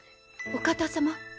お方様？